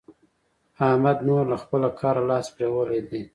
احمد نور له خپله کاره لاس پرېولی دی.